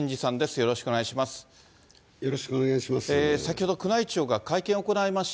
よろしくお願いします。